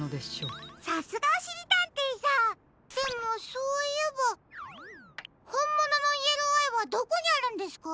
さすがおしりたんていさんでもそういえばほんもののイエローアイはどこにあるんですか？